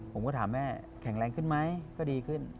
ผมก็ถามแม่แข็งแรงขึ้นไหมก็ดีขึ้น